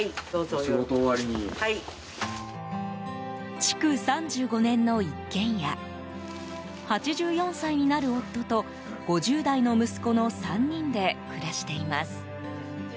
築３５年の一軒家８４歳になる夫と５０代の息子の３人で暮らしています。